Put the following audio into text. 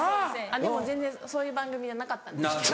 でも全然そういう番組じゃなかったんですけど。